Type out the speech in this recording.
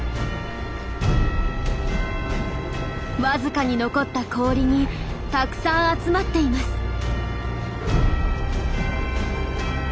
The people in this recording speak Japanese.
わずかに残った氷にたくさん集まっています。